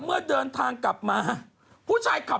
เมื่อเดินทางกลับมา